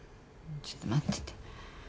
ちょっと待ってて。